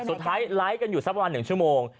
สุดท้ายไลค์กันอยู่สักประมาณ๑ชั่วโมง